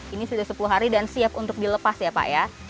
ini sudah sepuluh hari dan siap untuk dilepas ya pak ya